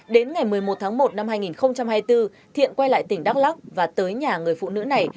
đến ngày một mươi một tháng một năm hai nghìn hai mươi bốn thiện quay lại tỉnh đắk lắc và tới nhà người phụ nữ này